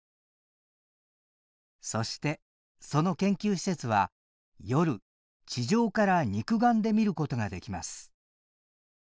そしてその研究施設は夜地上から肉眼で見ることができます。